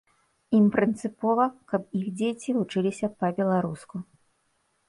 Ім прынцыпова, каб іх дзеці вучыліся па-беларуску.